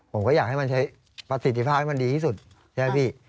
ผมก็อยากให้มันใช้ประสิทธิภาพให้มันดีที่สุดใช่ไหมพี่